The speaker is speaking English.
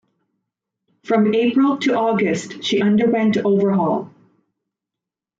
From April to August, she underwent overhaul.